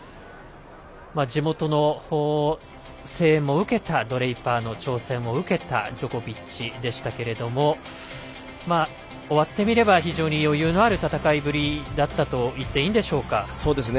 地元の声援も受けたドレイパーの挑戦を受けたジョコビッチでしたけれども終わってみれば非常に余裕のある戦いぶりだったと言っていいんでしょうか。